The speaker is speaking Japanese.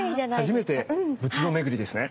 初めて仏像巡りですね。